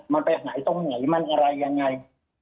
มันไปหายตรงไหนมันอะไรยังไง